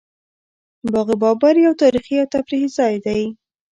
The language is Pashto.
باغ بابر یو تاریخي او تفریحي ځای دی